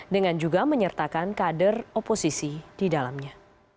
dengan juga menyertakan kader oposisi di dalamnya